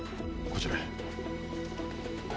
こちらへ。